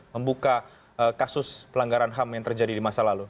membuka kasus pelanggaran ham yang terjadi di masa lalu